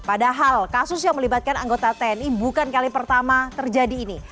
padahal kasus yang melibatkan anggota tni bukan kali pertama terjadi ini